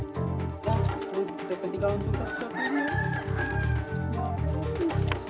tergantung untuk seseorang ini